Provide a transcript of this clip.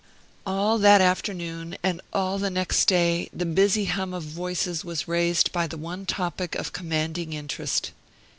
All that afternoon, and all the next day, the busy hum of voices was raised by the one topic of commanding interest.